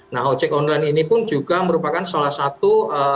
nah ojek online ini pun juga merupakan salah satu